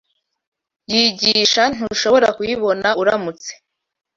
yigisha ntushobora kuyibona uramutse